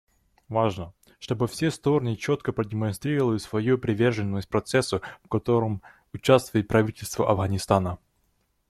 Важно, чтобы все стороны четко продемонстрировали свою приверженность процессу, в котором участвует правительство Афганистана.